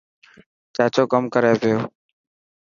چاچو ڪم ڪري پيو.